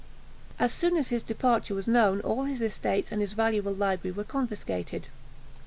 As soon as his departure was known, all his estates and his valuable library were confiscated.